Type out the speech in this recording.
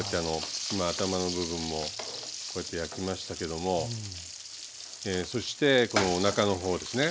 今頭の部分もこうやって焼きましたけどもそしてこのおなかの方ですね。